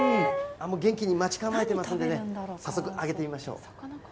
もう元気に待ち構えてますんでね、早速、あげてみましょう。